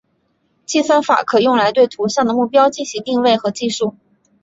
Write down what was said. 该算法可用来对图像的目标进行定位和计数。